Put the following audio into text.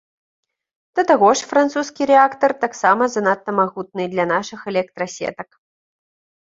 Да таго ж, французскі рэактар таксама занадта магутны для нашых электрасетак.